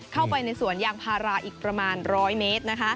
เข้าไปในสวนยางพาราอีกประมาณ๑๐๐เมตร